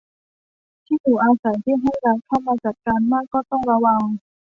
ที่อยู่อาศัยที่ให้รัฐเข้ามาจัดการมาก ก็ต้องระวัง